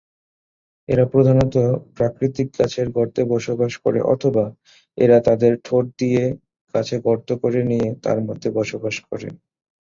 এরা প্রধানত প্রাকৃতিক গাছের গর্তে বসবাস করে অথবা এরা তাদের ঠোঁট দিয়ে গাছে গর্ত করে নিয়ে তার মধ্যে বসবাস করে।